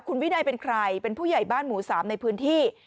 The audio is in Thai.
คุณวินัยเป็นใครเป็นผู้ใหญ่บ้านหมู่๓ในพื้นที่